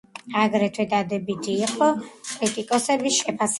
აგრეთვე დადებითი იყო კრიტიკოსების შეფასებები.